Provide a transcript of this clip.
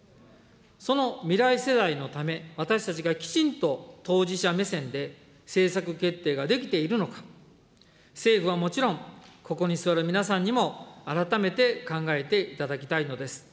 その未来世代のため、私たちがきちんと当事者目線で政策決定ができているのか、政府はもちろん、ここに座る皆さんにも、改めて考えていただきたいのです。